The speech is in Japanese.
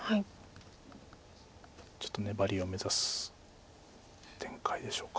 ちょっと粘りを目指す展開でしょうか。